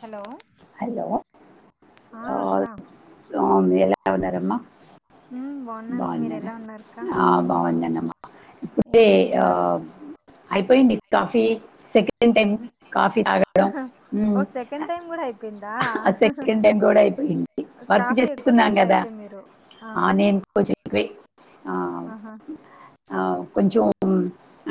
Hello hello ఆ అక్క ఆ మీరు ఎలా ఉన్నారమ్మా బాగున్నా మీరు బాగున్నారా ఎలా ఉన్నారక్క ఇప్పుడే ఆ అయిపోయింది కాఫీ సెకండ్ టైం కాఫీ తాగడం ఆ సెకండ్ టైం కూడా అయిపోయింది ఆ వర్క్ కాఫీ ఎక్కువ చేస్తున్నాం తాగుతారు కదా అయితే మీరు ఆ నేను కొంచెం ఎక్కువే ఆ, ఆహా కొంచెం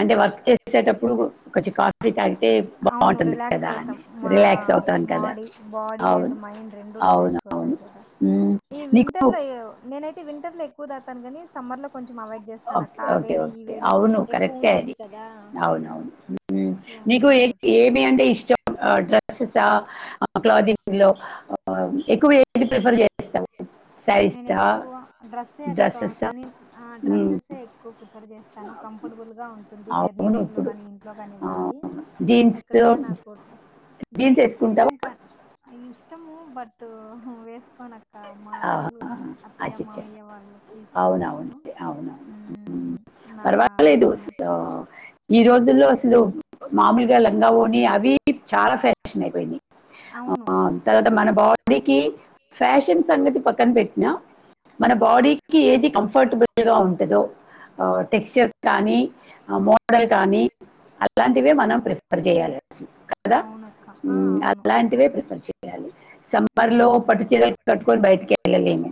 అంటే వర్క్ చేసి చేసేటప్పుడు కొంచెం కాఫీ తాగితే అవును బాగుంటాది రిలాక్స్ కదా అవుతాం అని మా రిలాక్స్ అవుతాను కదా మాడి బాడీ అండ్ అవును మైండ్ రెండు అవును రిలాక్స్ అవుతాయి అవును కదా ఉమ్, ఈ నీకు వింటర్ లో నేనైతే వింటర్ లో ఎక్కువ తాగ తాను కాని సమ్మర్ లో కొంచెం అవాయిడ్ చేస్తాను అక్క ఓకే ఆ ఓకే వేడి ఈ ఓకే వేడి అవును ఎక్కువ కరెక్టే అది ఉంటుంది కదా అవునవును సో నీకు ఏ అందుకని చెప్పి ఏమి అంటే ఇష్టం డ్రెస్సెస్ క్లాదింగ్లో ఎక్కువ ఏది ప్రిఫర్ చేస్తాము శారీస్ నేను ఆ ఎక్కువ డ్రెస్సెస్ ఆ డ్రెస్సెస్ ఎక్కువ ప్రిఫర్ చేస్త చాల కంఫర్టబుల్ గా ఉంటుంది జర్నీ అవును టైంలో ఇప్పుడు కానీ ఇంట్లో కానివ్వండి జీన్స్ ఎక్కడైనా నా జీన్స్ ఇష్టం కానీ ఇష్టము బట్ వేసుకోని ఒక మా ఆ, వాళ్ళు అతయ్య అచ్చచ్చ మామయ్య వాళ్ళకి ఇష్టం లేదు అవునవును అవునవును మ్మ్. నా చిన్న ఇందులో అసలు మామూలుగా లంగా ఓణి అవి చాలా ఫ్యాషన్ అయిపోయినాయి అవును ఆ తర్వాత మన బాడీకి ఫ్యాషన్ సంగతి పక్కన పెట్టినా మన బాడీకి ఏది కంఫర్టబుల్ గా ఉంటదో టెక్స్చర్ కానీ మోడల్ కానీ అలాంటివి మనం ప్రిఫర్ చేయాలి కదా అవునక్క ఆ అవును అలాంటివే ప్రిఫర్ చేయాలి సమర్ లో హ్మ్ పట్టు చీరలు కట్టుకొని బయటికి వెళ్ళలేము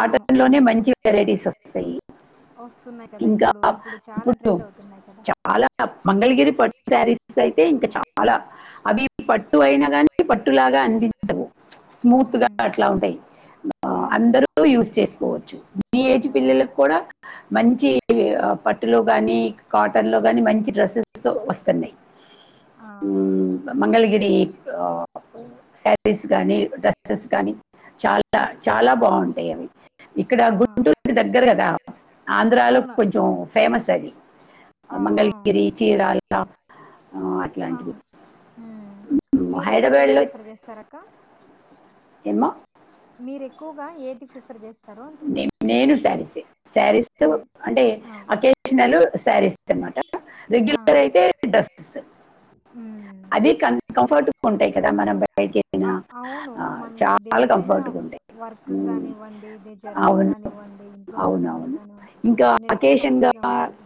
అవును ఉహు. లోనే కాటన్ మంచి వెరైటీస్ వస్తాయి వస్తాయి వస్తున్నాయి కదా ఇంకా ఇప్పుడు ఇప్పుడు చాలా ట్రెండ్ అవుతున్నాయి కదా చాలా మంగళగిరి పట్టు శారీస్ అయితే ఇంకా చాలా అది పట్టు అయినా కానీ పట్టులాగా అందించవు స్మూత్గా హ్మ్ అట్ల ఉంటాయి హ్మ్ అందరు యూస్ చేసుకోవచ్చు ఈ ఏజ్ ఓకే పిల్లలకు కూడా మంచి పట్టులో గాని కాటన్లో గానీ మంచి డ్రెస్సెస్ వస్తున్నాయి ఆ ఉమ్ మంగళగిరి అ శారీస్ గానీ డ్రెస్సెస్ ఓక్ గాని చాల చాలా బాగుంటాయి అవి ఇక్కడ ఆ గుంటూర్కి దగ్గర కదా ఆంధ్రాలో అవును కొంచెం ఆంధ్రాలో ఫేమస్ అవి ఆ మంగళగిరి చీరాల అట్లాంటివి ఉమ్ మ్మ్, మీరు ఎక్కువ ఏ హైదరాబాద్లో ప్రిఫర్ చేస్తార అక్క ఏమ్మ మీరు ఎక్కుగా ఏది ప్రిఫర్ చేస్త నేను శారీసె శారీస్ అవును అంటే ఆ ఉంటే అకేషనల్ శారీస్ అనమాట ఆ రెగ్యులర్ అయితే డ్రెసెస్ ఉమ్ అది కంఫర్ట్గా ఉంటాయి కదా మనం బయటికి అ వెళ్ళినా అవును ఆ, మన చాలా దేనికైనా కంఫర్ట్ గా ఉంటాయి వర్క్ ఉమ్, కానివ్వండి జర్నీకి అవును కానివ్వండి ఇంట్లో అవును ఉండడానికి అవును కానివ్వండి ఇంకా అన్నిటికీ కంఫర్ట్గా ఉంటుంది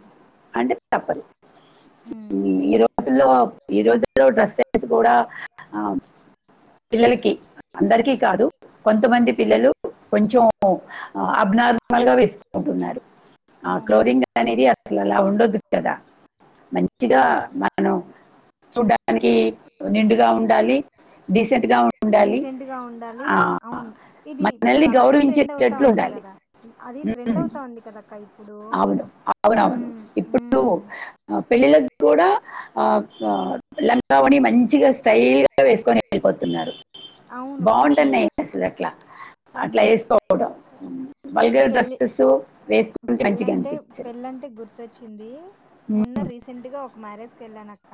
చెప్పండి ఉమ్ ఈ రోజుల్లో ఈ రోజుల్లో డ్రసెస్ కూడఆ పిల్లలకి అందరికీ కాదు కొంతమంది పిల్లలు కొంచెం అబ్ నార్మల్గా వేసుకుంటున్నారు ఆ అవును క్లోరిన్ అనేది అసలలా ఉండో దచ్చదా మంచిగా అది మనం దానికి ఉండెండుగా ఉండాలి డీసెంట్ గా ఉండాలి డీసెంట్ గా ఉండాలి ఆ, అవును ఇది ఇప్పుడు మనల్ని అలాగే ట్రెండ్ అవుతు గౌరవించేటట్లు అవుతాంది ఉండాలి కదా అది ట్రెండ్ ఉమ్, అవుతాంది కదా అక్క ఇప్పుడు ఒ పెళ్ళిళకి కూడా ఆ లంగావని మంచిగా స్టైల్గా వేసుకొని వెళ్ళిపోతున్నారు అవును బాగుంటున్నాయి అసల్ అట్లా అట్ల వేసుకో కూడా పై పైన పెళ్ళి డ్రెస్సెస్ వేసుకుంటే మంచిగా పెళ్ళంటే అనిపించదు పెళ్ళంటే గుర్తొచ్చింది మొన్న ఉమ్, రీసెంట్ గా ఒక మ్యారేజ్ కెళ్ళాన్ అక్క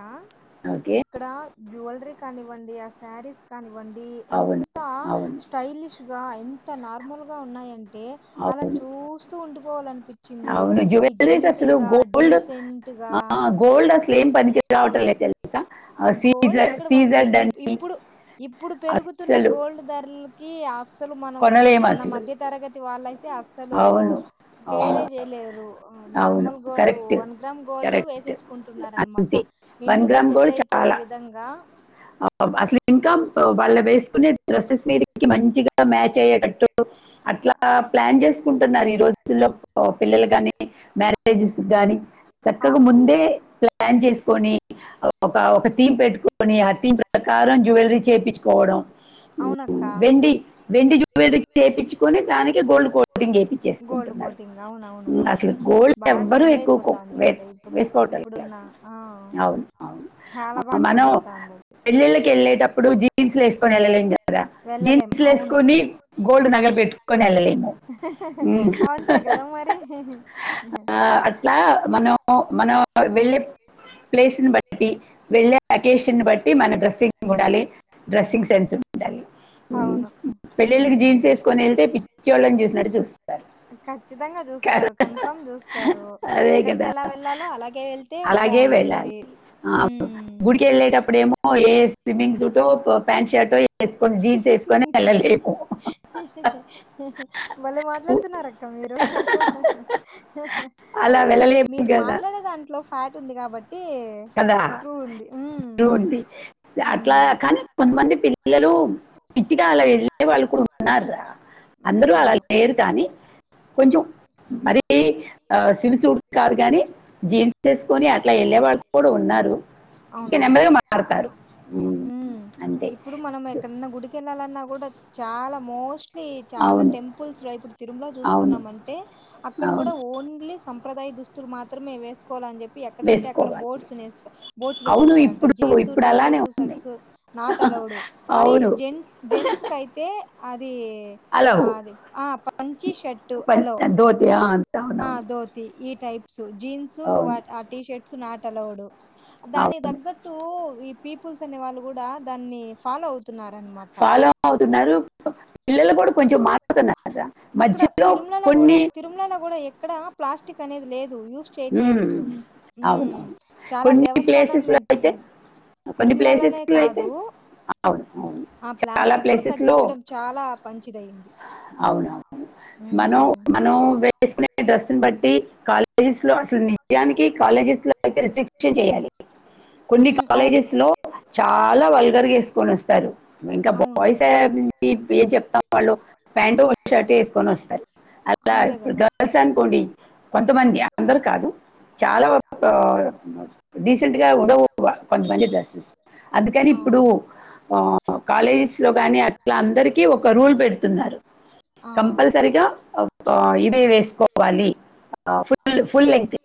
ఓకే ఇక్కడ జ్యుయలరీ కానివ్వండి ఆ శారీస్ కానివ్వండి అవును ఎంత అవును స్టైలిష్ గ ఎంత నార్మల్గా ఉన్నాయంటే అలా అవును చూస్తూ ఉండిపోవాలనిపించి అవును జ్యవెలరిస్ అసలు గోల్డ్ డీసెంట్ గా గోల్డ్ ఏమ్మ్ పనికి కావట్లేద్ తెలుసా ఆ గోల్డ్ సీజర్ ఎక్కడ సీజర్ పనుకొస్తుంది అని ఇప్పుడు ఇప్పుడు పెరుగుతున్న అస్సలు గోల్డ్ ధరలకి ఆ అసలు మనం కొనలేము మన అసలు మధ్య తరగతి వాళ్ళసి అస్సలు అవును అవును, కేరే చేయలేరు అవును normal gold correct one gram gold correct వేసేసుకుంటున్నార్ అనమాట నిండుగా సెట్ అయిపోయే చాల విధంగా అసలు ఇంక వాళ్ళే వేసుకునే డ్రెస్సెస్ మీద మంచిగా మ్యాచ్ అయ్యేటట్టు అట్లా ప్లాన్ చేసుకుంటున్నారు ఈ రోజుల్లో పిల్లలు కానీ మ్యారేజెస్ గానీ చక్కగా అవును ముందే ప్లాన్ చేసుకొని ఒక ఒక థీమ్ పెట్టుకొని ఆ థీమ్ ప్రకారం జ్యువెలరీ చేపించుకోవడం అవునక్క వెండి వెండి జ్యువెలరీస్ చేయించుకొని దానికి గోల్డ్ కోటింగ్ చేయించేసుకుంటున్నారు అసలు గోల్డ్ బాగ ఎవ్వరూ ట్రెండ్ ఎక్కువ కొ- అయిపోతాంది వే- కదా ఇప్పుడు వేసుకోవటం లేదు ఇప్పుడున్న అసలు. ఆ అవును అవును ఛాల ఆ, బాగ మనం ట్రెండ్ అవుతాంది పెళ్ళిళ్ళకి వెళ్ళేటప్పుడు జీన్స్ వేసుకొని వెళ్ళలేం కదా వెళ్ళలేం జీన్స్ అవును వేసుకుొని గోల్డ్ నగలు పెట్టుకుని కొని వెళ్ళలి అవుంతే కద మరి ఆ అట్లా మనం మనం వెళ్ళే ప్లేస్ ని బట్టి వెళ్ళ అకేషన్ బట్టి మన డ్రెస్సింగ్ ఉండాలి డ్రెస్సింగ్ సెన్స్ ఉండాలి అవును పెళ్ళిలకి జీన్స్ ఉమ్ వేసుకొని వెళ్తే పిచ్చివాళ్ళని చూసినట్టు చూస్తారు ఖచ్చితంగా కదా? చూస్తారు సారు అదే ఎక్కడికి కదా ఎలా వెళ్లాలో అలాగే వెళ్తే అలాగే వెళ్ళాలి బాగుంటుంది ఆ, గుడికి వెళ్ళేటప్పుడేమో స్విమ్మింగ్ సూటు ప్యాంట్ షర్టో వేసుకొని జీన్స్ వేసుకొని మ లేకు బలే మాట్లాడుతున్నారు అక్క మీరు అలా అదే మీ వెళ్ళలేము మీరు కదా మాట్లాడే దాంట్లో ఫాక్ట్ ఉంది కాబట్టి కదా ట్రూ ఉంది ఉమ్ [unintelligible] ఉమ్ కనీ తొందర్నే పెళ్లి పిల్లలు [unintelligible] అలా వెళ్ళే వాళ్ళు కూడా ఉన్నారు రా హ్మ్. అందరూ అలా అవును. లేరు కానీ కొంచెం మరి ఆ సివి సూట్ కాదు కాని జీన్స్ వేసుకొని అట్లా వెళ్ళే వాళ్ళు కూడా ఉన్నారు ఇంకా నెమ్మదిగా మారుతారు ఉ ఇప్పుడు మనం ఎక్కడన్నా గుడికి వెళ్ళాలన్నా కూడా చాలా మోస్ట్ చాలా అవును టెంపుల్స్ ఇప్పుడు తిరుమలో అవును చూసుకున్నాం అంటే అక్కడ కూడా అవును ఓన్లీ సంప్రదాయ దుస్తులు మాత్రమే వేసుకోవాలని చెప్పి ఎక్కడంటే ఆక్కడ వేసుకోవాలి బోర్డ్ బోర్డ్ అవును పెట్టేస్తారంట ఇప్పుడు జీన్స్ ఇప్పుడు టీ అలానే షర్ట్స్ ఉన్నాయి షర్ట్స్ నాట్ అలౌడ్ అది అవును జెంట్స్ జెంట్స్ కయితే అది ఆది పంచి షర్ట్ దితి ఆ అవునవును జీన్సు అవును ఆ టీషర్ట్స్ నాటలౌడు దానికి అవును తగ్గట్టు పీపుల్స్ అనే వాళ్ళు కూడా దాన్ని ఫాలో అవు ఫాలో అవుతున్నారు పిల్లలు కూడా కొంచెం మారుతున్నారు అక్కడ తిరుమలలో కూడా తిరుమలలో కూడా ఎక్కడ ప్లాస్టిక్ అనేది లేదు యూస్ చేయట్లేదు ఉమ్, ఇప్పుడు అవునవును చాలా కొన్ని ప్లేసెస్ దేవస్థానంలో లో అయితే కొన్ని ప్లేసెస్ తిరుమలలోనే లో అయితే కాదు అవును అవును ఆ చాలా ప్లాస్టిక్ కూడా ప్లేసెస్ లో తగ్గించడం చాలా పంచిదయింది అవునవును మనం మనం సుకునే డ్రెస్సును బట్టి కాలేజెస్ లో అసలు నిజానికి కాలేజెస్ లో అయి రిస్ట్రిక్షన్ చేయాలి కొన్ని హ్మ్. అవును. కాలేజెస్ లో చాలా వల్గర్ వేసుకొని వస్తారు ఇంకా అవును. బాయస్ ఏ చెప్తాం వాళ్ళు ప్యాంటు షర్ట్ వేసుకొని వస్తారు అలా అంతే ఇప్పుడు కదా గర్ల్స్ అనుకోండి కొంతమంది అందరు కాదు చాలా వరకు డీసెంట్ గా ఉండవు కొంతమంది డ్రెస్సెస్ అందుకని ఆ ఇప్పుడు ఆ కాలేజెస్ లో గాని అట్లా అందరికి ఒక రూల్ పెడు తున్నారు ఆ కంపల్సరిగా ఇవే వేసుకోవాలి ఫుల్ ఫులెంగ్త్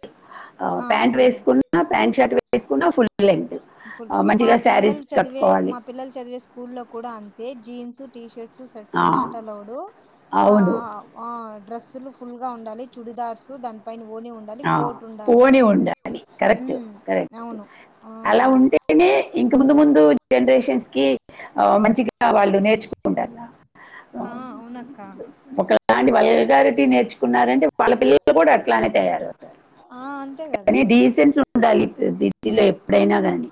ఆ ప్యాంట్ ఫుల్ లెంత్ వేసుకున్న ప్యాంట్ షర్ట్ వేసుకున్నా ఫుల్ లెంత్ ఫుల్ మా మంచిగా శారీస్ పిల్లలు చదివే కట్టుకోవాలి మా పిల్లలు చదివే స్కూల్ల్లో కూడా అంతే జీన్స్ టీ షర్ట్ షర్ట్ ఆ, నాటలోడు అవును ఆ డ్రెస్ లు ఫుల్ గా ఉండాలి చుడిదార్సు దాని పైన ఓని ఉండాలి ఆ, కోట్ ఉండాలి పోని ఉండాలి కరెక్ట్ ఉమ్ కరెక్ట్ అవును ఆ అలా ఉంటేనే ఇంక ముందు ముందు జనరేషన్స్ కి ఆ మంచిగా వాళ్ళు నేర్చుకుంటార ఆ అవునక్క ఒక ఇలాంటి వల్గారిటీ నేర్చుకున్నారంటే వాళ్ళ పిల్లలు కూడా అట్లానే తయ్యారు ఆ అంతే కదా కానీ మరి డీసెన్స్ ఉండాలి డ్రెస్ లో ఎప్పుడైనా కానీ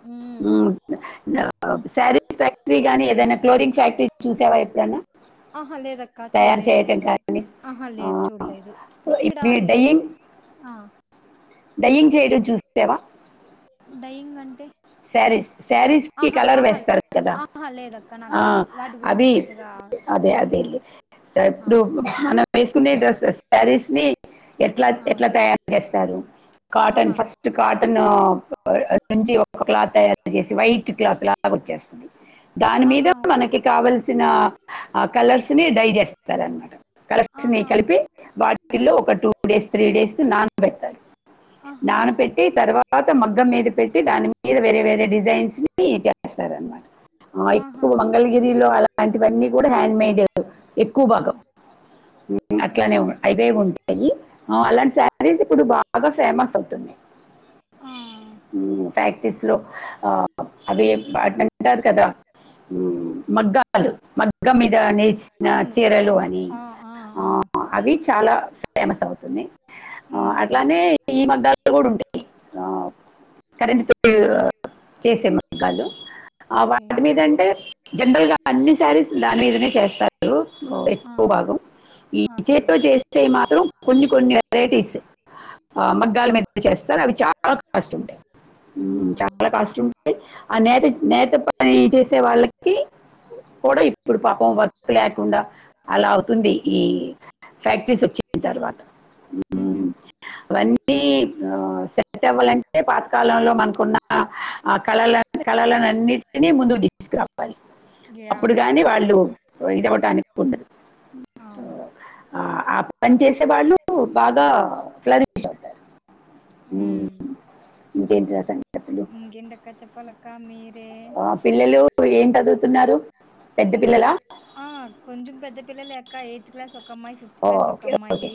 ఉ శారీస్ ఫ్యాక్టరీ గాని ఏదైనా క్లోరింగ్ ఫ్యాక్టరీ చూసావా ఎప్పుడన్నా ఆహా లేదక్క చూడలేదు నేను ఆహా ఆ, లేదు చూడలేదు ఇక్కడ ఆ డైన్ చేయడం చూసవా డయింగ్ అంటే సారీస్ శారీస్ కి ఆహా కలర్ ఆహా వేస్తారు కదా ఆహా లేదక్క నాకు ఆ తెలీదు వాటి గురించి అవి పెద్దగా అదే యా అదేలి ఆ ఇప్పుడు మనం వేసుకునే డ్రసెస్ శారీస్ ని ఎట్లా ఆ అంట్ల తయారు చేస్తారు కాటన్ ఆహా ఫస్ట్ కాటన్ గంజి ఒక క్లాత్ తయారు చేసి వైట్ క్లాత్ లాగా వచ్చేస్తుంది దాని మీద ఆహా మనకి కావలసిన కలర్స్ ని డై చేస్తారనమాట కలర్స్ ని ఆహా కలిపి వాటిల్లో ఓ ఒక టూ డేస్ త్రీ డేస్ నానపెడతారు ఆహా ఓకే నానపెట్టి తర్వాత మగ్గం మీద పెట్టి దాని మీద వేరే వేరే డిజైన్స్ ని చేస్తారనమాట ఆహా ఎక్కువ మంగళగిరిలో అలాంటివన్నీ కూడా హ్యాండ్ మేడ్ ఎక్కువ భాగం ఆహా అట్లానే హెవీ గా ఉంటాయి అలాంటి శారీస్ ఇప్పుడు బాగా ఫేమస్ అవుతున్నాయి ఆ ప్రాక్టీస్ లో ఆ అవి వాటిని అంటారు కదా మ్ మగ్గాలు మగ్గం మీద నేచిన అవును చీరలు అవు అని ఆ ఆ అవి చాలా ఫేమస్ అవుతునాయ్ ఆ ఉమ్ అట్లానే ఈ మగ్గాలు కూడ ఉంటాయి ఆ కరెంట్ తో ఆ, చేసే మాగ్గాలు ఆ ఓకే వాటి మీద అంటే జనరల్ గా అన్ని సారీస్ దాని మీదనే చేస్తారు ఆ ఎక్కువ భాగం ఈ ఓకే చేత్తో చేస్తే మాత్రం కొన్ని కొన్ని వెరైటీస్ ఆ మగ్గాల మీద చేస్తారు అవి చాలా కాస్ట్ ఉంటాయి ఆ చాలా కాస్ట్ ఉంటాయి ఆ నేత నేత పని చేసే వాళ్ళకి కూడా ఇప్పుడు పాపం వర్క్ లేకుండా అలా అవుతుంది ఈ ఫ్యాక్టరీస్ వచ్చిన తర్వాత ఉహూ ఉమ్, అవన్నీ ఆ సెట్ అవ్వాలంటే పాతకాల లో మనకున్న ఆ కళ కళలన్నిటిని ముందుకు తీసుకురావాలి యా అప్పుడు గాని వాళ్ళు ఇదవ్వటానికి ఉండదు ఆ అప్ ఆ పని చేసే వాడు బాగా ఫ్లరిష్ అవుతారు ఉమ్ ఇంకేం చేతన ఇంగెండక్క చెప్పాలక్క మీరే ఆ, పిల్లలు ఏం చదువుతున్నారు పెద్ద ఉమ్ ఒ పిల్లలా ఆ కొంచం పెద్ద పిల్లలే అక్క ఎయిత్ క్లాస్ ఒక అమ్మాయి ఫిఫ్త్ క్లాస్ ఒక ఓకే అమ్మాయి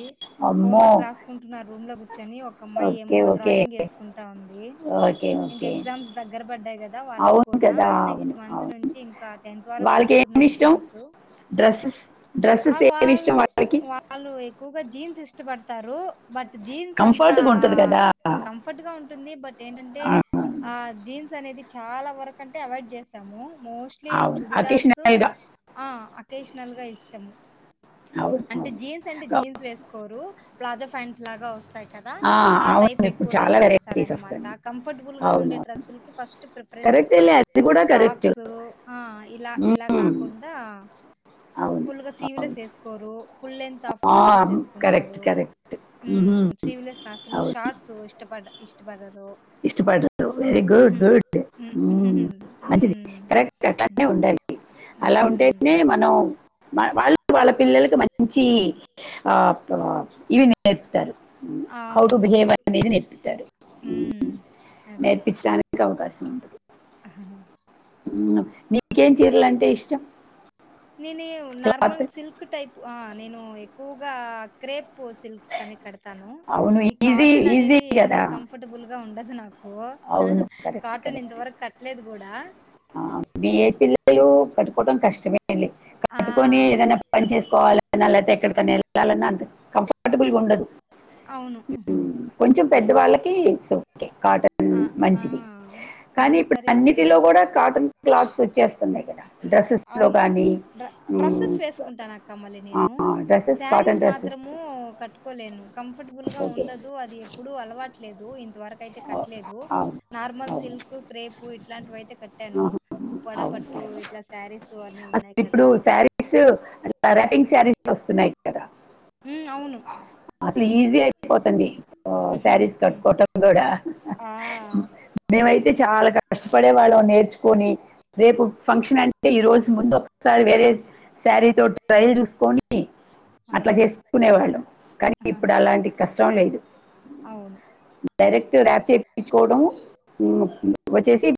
అమ్మో హోంవర్క్ రాసుకుంటున్నారు రూంలో కూచని ఒక అమ్మాయి ఓకే ఏమో ఓకే డ్రాయింగ్ ఏసుకుంటా ఉంది ఓకే ఇంక ఓకే ఎగ్జామ్స్ దగ్గర పడ్డాయి కదా వా వాళ్ళకు అవును కూడా కదా నెక్స్ట్ అవును మంత్ అవును నుంచి ఇంకా టెన్త్ వరకు వాళ్ళకి ఏమి జరుగుతున్నయ్ ఇష్టం ఎగ్జామ్స్ డ్రెస్సెస్ ఆ డ్రస్సెస్ ఏమి ఇష్టం వాళ్ళు వాళ్ళకి వాళ్ళు ఎక్కువగా జీన్స్ ఇష్టపడతారు బట్ జీన్స్ అంతా కంఫర్ట్గా ఉంటుంది కదా ఆ, కంఫర్ట్ గా ఉంటుంది బట్ ఏంటంటే ఆ జీన్స్ అనేది చాలా వరకు అంటే అవాయిడ్ చేస్తాము మోస్లీ అవును చుడిదార్సు అకేషనల్గా ఆ ట్రెడిషనల్ గా ఇష్టము అవును అవును సెన్స్ అంటే జీన్స్ వేసుకోరు ప్లాజో ఫ్యాంట్స్ లాగా వస్తాయి కదా ఆ టైప్ అవును ఇప్పుడు ఎక్కువ చాలా లైక్ వెరైటీస్ చేస్తారన్న వస్తాయి మాట కంఫర్టబుల్ గా అవును ఉండే అవును డ్రస్సులికి ఫస్ట్ ప్రిఫరెన్స్ ఇ కరెక్ట్ వెళ్ళి స్తారు అది కూడా కరెక్ట్ ఫ్రాక్స్ ఆ ఇలా ఇలా కాకుండా ఫుల్ గ సీవ్లేస్ వేసుకోరు ఫుల్ గా ఆ కరెక్ట్ కరెక్ట్ ఉహు స్లీవ్లెస్ అసలు షార్ట్స్ ఇష్టపడ ఇష్టపడరు ఇష్టపడరు వెరీ గుడ్ ఉహు గుడ్ హ్మ్ ఉహుహు మంచిది హ్మ్ కరెక్ట్ అట్టనే ఉండాలి అలా హ్మ్ ఉంటేనే మనం మన వాళ్ళు వాళ్ళ పిల్లలకు మంచి ఆ ఆ ఇవి నేర్పుతారు హౌ టు అవును బిహేవ్ ఇప్ అనేది నేర్పిస్తారు హ్మ్ నేర్పించడానికి గవ్ గస్ట్ ఆహా ఉహ్మ్ అదే నేను నార్మల్ క్లాత్ సిల్క్ టైప్ ఆ నేను ఎక్కువగా క్రేప్ ఓ సిల్క్స్ కనెక్ కడతాను అవును ఈ ఈజీ కాటన్ ఈజీ అనేది ఎప్పుడు కదా కంఫర్టబుల్ గా ఉండదు నాకు కు అవును కరెక్ట్ కాటన్ కరెక్ట్ ఇంతవరకు కట్టలేదు కూడా మీ ఏజ్ పిల్లలు కట్టుకోవడం కష్టమేలే కట్టుకొని ఆ ఏదైనా పని చేసుకోవాల అనాలన్న ఎక్కడ కెళ్ళాలన్న అంత కంఫర్బుల్గా ఉండదు అవును మ్మ్. కొంచెం పెద్ద వాళ్ళకి ఇట్స్ ఒకే కాటన్ ఆ! ఆ! మంచిది కానీ కాటన్ ఇప్పుడు శారీస్ అన్నిటిలో కూడా కాటన్ క్లాత్స్ వచ్చేస్తున్నాయి కదా డ్రెస్సెస్ లో గానీ డ్రె డ్రెస్సెస్ వేసుకుంటాను అక్క మళ్ళీ నేను డ్రెస్సెస్ శారీస్ కాటన్ మాత్రము డ్రెస్సెస్ కట్టుకోలేను కంఫర్టబుల్ గా ఓకే ఉండదు అది ఎప్పుడూ అలవాట్లేదు ఇంతవర్ అయితే కట్టలేదు అవును నార్మల్ అవును సిల్క్ కు క్రేపు ఇట్లాంటివి అయితే కట్టాను ఉప్పాడ అవును పట్టు ఓ మేడం. ఇట్లా శారీస్ అన్ని ఉన్నాయి అసలు ఇప్పుడు కదా శారీస్ ఆ రాపింగ్ శారీస్ వస్తున్నాయి కదా ఉ అవును అసలు ఈజీ అయిపోతుంది శారీస్ ఉహుహుహు. కట్ కోటం ఆ! మేమైతే చాలా కష్టపడే వాళ్ళం నేర్చుకొని రేపు ఫంక్షన్ అంటే ఈ రోజు ముందు ఒకసారి వేరేసి శారీతో ట్రైల్ చూసుకొని ఆ! అట్లా చేసుకునేవాళ్ళం కానీ ఇప్పుడు ఆహాహా! అలాంటి క ష్టం లేదు అవును డైరెక్ట్ ర్యాప్ చేపీచుకోవడం వచ్చేసి